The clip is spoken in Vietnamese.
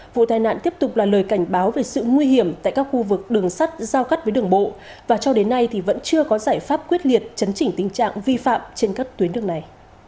vụ tai nạn tiếp tục là lời cảnh báo về sự nguy hiểm tại các khu vực đường sắt giao cắt với đường bộ và cho đến nay thì vẫn chưa có giải pháp quyết liệt chấn chỉnh tình trạng vi phạm trên các tuyến đường này